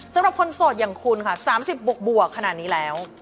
สำหรับคนโสดอย่างคุณค่ะ๓๐บวกขนาดนี้แล้ว